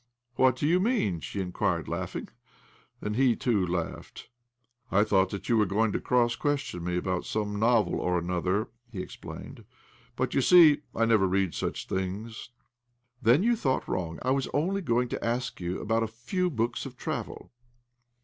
' What do you mean ?" she inquired, laughing. Then he too laughed. " I thought that you were going to cross question me about some novel or another," he explained. " But, you see, I never read such things." " Then you thought wrong. I was o|nly going to ask you about a few books of travel."